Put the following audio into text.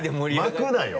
まくなよ。